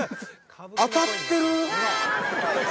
当たってる！